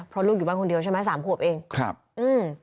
เพราะลูกอยู่บ้านคนเดียวใช่ไหมสามขวบเองครับอืม